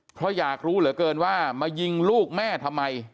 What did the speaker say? เพราะอยากรู้เหลือเกินว่ามายิงลูกแม่ทำไม